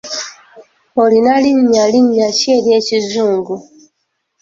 Olina linnya linnya ki ery'ekizungu?